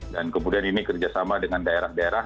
dan kemudian ini kerjasama dengan daerah daerah